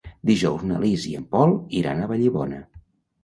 Dijous na Lis i en Pol iran a Vallibona.